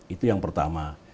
itu yang pertama